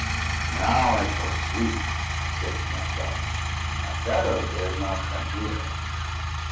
"Now I shall sleep," I said to myself. "My shadow dares not come here."